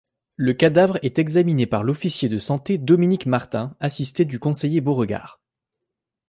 Le cadavre est examiné par l’officier de santé Dominique Martin assisté du conseiller Beauregard.